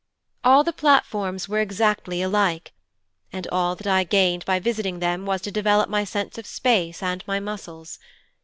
All the platforms were exactly alike, and all that I gained by visiting them was to develop my sense of space and my muscles.